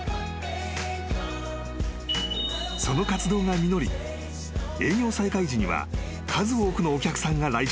［その活動が実り営業再開時には数多くのお客さんが来場。